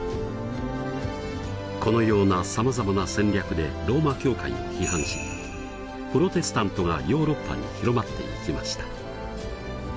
このようなさまざまな戦略でローマ教会を批判しプロテスタントがヨーロッパに広まっていきました。